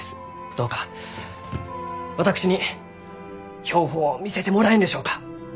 どうか私に標本を見せてもらえんでしょうか？